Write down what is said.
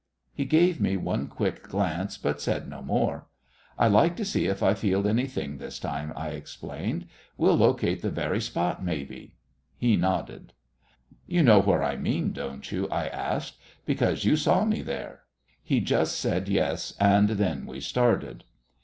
He gave me one quick glance, but said no more. "I'd like to see if I feel anything this time," I explained. "We'll locate the very spot, maybe." He nodded. "You know where I mean, don't you?" I asked, "because you saw me there?" He just said yes, and then we started.